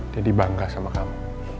jadi bangga sama kamu